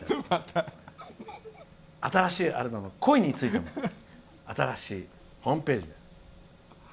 新しいアルバム「孤悲」についてる新しいホームページ。